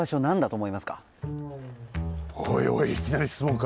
おいおいいきなりしつもんか。